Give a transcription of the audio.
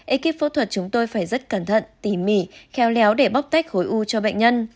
ekip phẫu thuật chúng tôi phải rất cẩn thận tỉ mỉ khéo léo để bóc tách khối u cho bệnh nhân